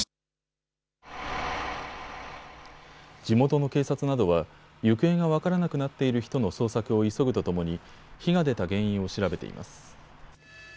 地元の警察などは行方が分からなくなっている人の捜索を急ぐとともに火が出た原因を調べています。